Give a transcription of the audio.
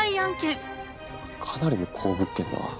かなりの好物件だ。